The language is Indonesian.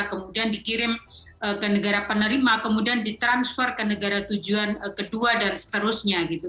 kemudian dikirim ke negara penerima kemudian ditransfer ke negara tujuan kedua dan seterusnya gitu